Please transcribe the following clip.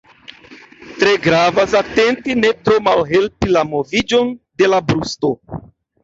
Tre gravas atenti ne tro malhelpi la moviĝon de la brusto.